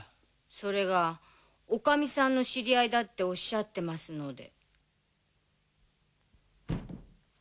それが女将さんの知り合いだっておっしゃってますので。